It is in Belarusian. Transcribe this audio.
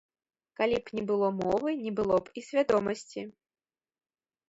Калі б не было мовы, не было б і свядомасці.